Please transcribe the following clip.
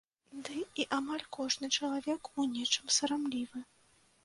Ды і амаль кожны чалавек у нечым сарамлівы.